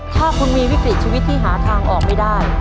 ถ้าคุณมีวิกฤตชีวิตที่หาทางออกไม่ได้